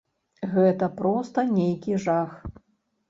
Гэта проста нейкі жах.